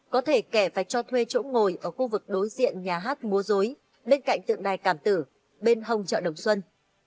có thể kẻ phải cho thuê chỗ ngồi ở khu vực đối diện nhà hát múa dối bên cạnh tượng đài cảm tử bên hồng chợ đồng xuân